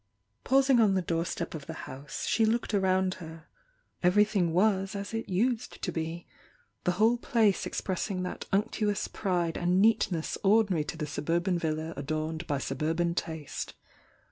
Pausing on ttie doorstep of the house die looked around her, — everything was as it used to be, — the whole place expressing that unctuous pride and neatness ordinary to the suburban villa adorned by suburban taste.